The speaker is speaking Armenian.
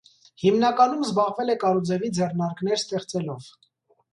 Հիմնականում զբաղվել է կարուձևի ձեռնարկներ ստեղծելով։